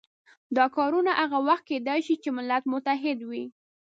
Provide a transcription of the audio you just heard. دا کارونه هغه وخت کېدای شي چې ملت متحد وي.